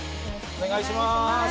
お願いします